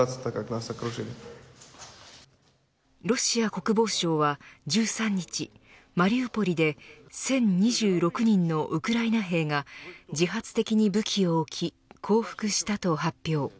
ロシア国防省は１３日マリウポリで１０２６人のウクライナ兵が自発的に武器を置き降伏したと発表。